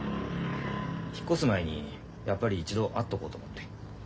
引っ越す前にやっぱり一度会っとこうと思って。